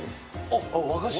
あっ和菓子。